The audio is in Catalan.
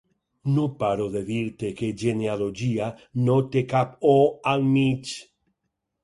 No paro de dir-te que genealogia no té cap 'o' al mig.